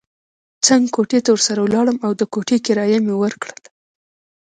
څنګ کوټې ته ورسره ولاړم او د کوټې کرایه مې ورکړل.